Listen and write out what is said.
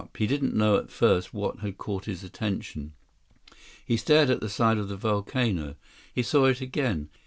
He didn't know at first what had caught his attention. He stared at the side of the volcano. He saw it again.